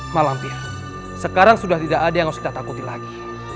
malam pihak sekarang sudah tidak ada yang harus kita takuti lagi